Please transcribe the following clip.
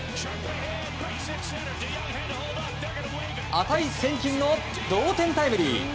値千金の同点タイムリー！